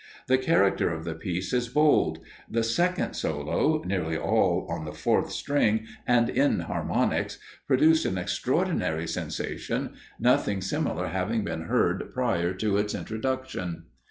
The character of the piece is bold: the second solo, nearly all on the fourth string and in harmonics, produced an extraordinary sensation, nothing similar having been heard prior to its introduction.